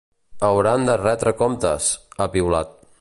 Hauran de retre comptes, ha piulat.